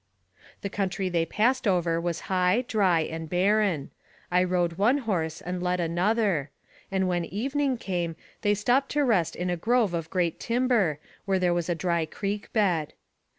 The country they passed over was high, dry, and barren. I rode one horse and led another; and when evening came they stopped to rest in a grove of great timber, where there was a dry creek bed.